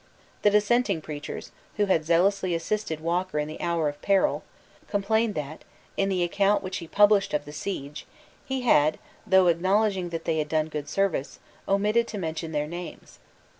The dissenting preachers, who had zealously assisted Walker in the hour of peril, complained that, in the account which he published of the siege, he had, though acknowledging that they had done good service, omitted to mention their names.